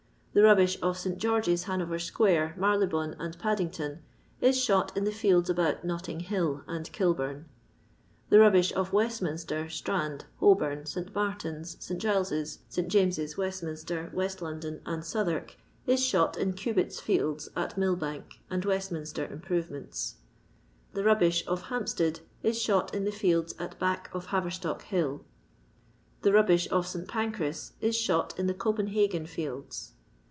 The rubbish of St George's Hanover square, Marylebone, and Paddington, is shot in the fields about Notting hill and Kilbum. The rubbish of Westiyinster, Strand, Holbom, St. Martin's, St. Giles's, St. James's, Wes^ minster, West London, and Southwark, is shot in Cnbitt's fields at MUlbank and West minster improvements. The rubbish of Hampstead is shot in the fields at back of Haverstock hill. The rubbish of Saint Pancrms is shot in the Copenhagen fields.